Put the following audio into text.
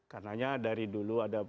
karena dari dulu ada